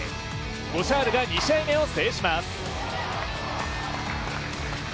ゴシャールが２試合目を制します。